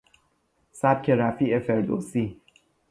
سبک رفیع فردوسی